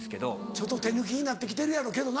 ちょっと手抜きになってきてるやろうけどな。